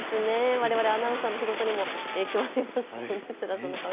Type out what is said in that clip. われわれアナウンサーの仕事にも影響ありますよね。